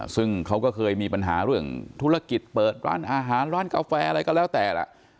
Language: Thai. ซึ่งเขาก็เคยมีปัญหาเรื่องธุรกิจเปิดร้านอาหารร้านกาแฟอะไรก็แล้วแต่ล่ะ